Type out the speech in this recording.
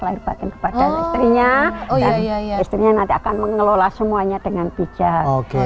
lahir batin kepada istrinya oh ya ya istrinya nanti akan mengelola semuanya dengan bijak oke